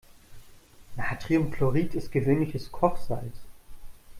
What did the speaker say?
Natriumchlorid ist gewöhnliches Kochsalz.